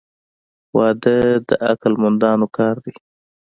• واده د عقل مندانو کار دی.